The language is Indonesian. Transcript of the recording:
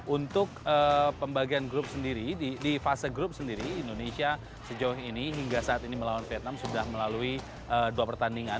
untuk pembagian grup sendiri di fase grup sendiri indonesia sejauh ini hingga saat ini melawan vietnam sudah melalui dua pertandingan